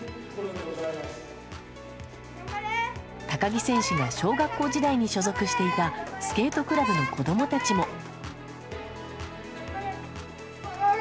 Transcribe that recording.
高木選手の小学校時代に所属していたスケートクラブの子供たちも。